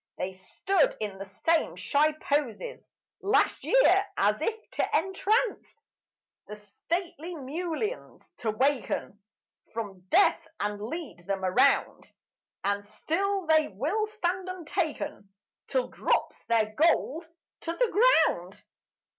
They stood in the same shy poses Last year, as if to entrance The stately mulleins to waken From death and lead them around: And still they will stand untaken, Till drops their gold to the ground.